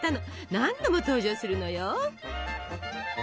何度も登場するのよ。